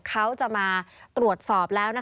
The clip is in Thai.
เขาจะมาตรวจสอบแล้ว